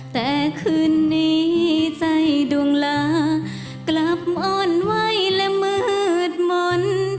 แต่คืนนี้ใจดวงลากลับม่อนไวและมืดมนต์